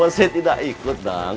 kalau say tidak ikut dang